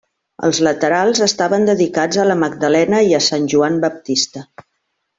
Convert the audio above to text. Els laterals estaven dedicats a la Magdalena i a Sant Joan Baptista.